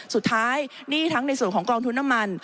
หนี้ทั้งในส่วนของกองทุนน้ำมัน